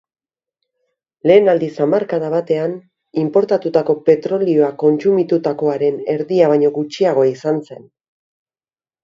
Lehen aldiz hamarkada batean, inportatutako petrolioa kontsumitutakoaren erdia baino gutxiago izan zen.